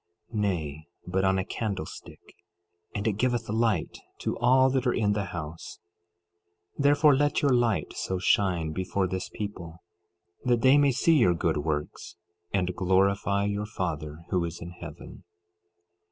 Nay, but on a candlestick, and it giveth light to all that are in the house; 12:16 Therefore let your light so shine before this people, that they may see your good works and glorify your Father who is in heaven.